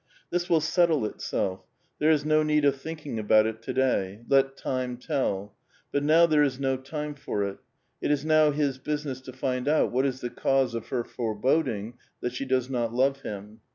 This will settle itself; there is no need of thinking about it to day ; let time tell ; but now there is no time for it ; it is now his business to find out what is tbe cause of her foreboding that she does not love bim.